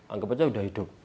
anggap aja udah hidup